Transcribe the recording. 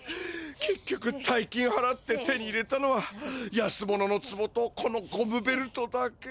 けっきょく大金はらって手に入れたのは安物のつぼとこのゴムベルトだけ。